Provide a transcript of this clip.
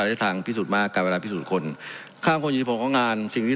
เพราะมันก็มีเท่านี้นะเพราะมันก็มีเท่านี้นะ